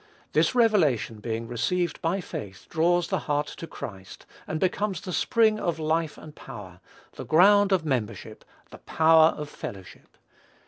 This revelation being received by faith, draws the heart to Christ, and becomes the spring of life and power, the ground of membership, the power of fellowship.